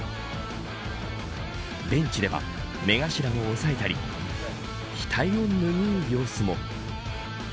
ベンチでは目頭を押さえたり額を拭う様子も。